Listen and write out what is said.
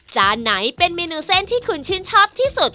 ไหนเป็นเมนูเส้นที่คุณชื่นชอบที่สุด